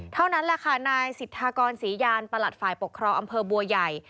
เท่านั้นแหละค่ะนายสิทธากรศรียานประหลัดฝ่ายปกครองอำเภอบัวใหญ่